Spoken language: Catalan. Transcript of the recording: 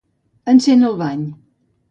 Encén el bany.